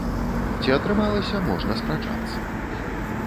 Ці атрымалася, можна спрачацца.